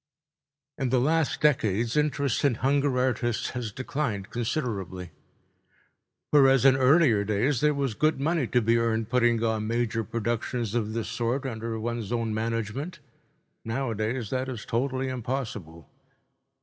In the last decades interest in hunger artists has declined considerably. Whereas in earlier days there was good money to be earned putting on major productions of this sort under one's own management, nowadays that is totally impossible.